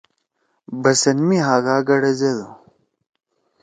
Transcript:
بَسَن می ہاگا گڑزدُو۔